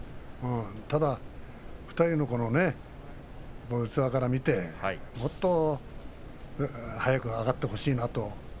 ただ２人の器から見てもっと早く上がってほしいなと。